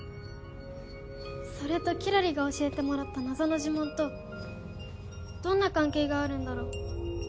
それとキラリが教えてもらった謎の呪文とどんな関係があるんだろう。